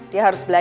dia harus belajar